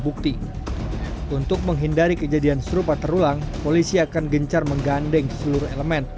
bukti untuk menghindari kejadian serupa terulang polisi akan gencar menggandeng seluruh elemen